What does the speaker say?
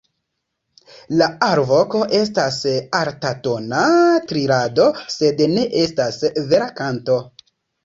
La alvoko estas altatona trilado sed ne estas vera kanto.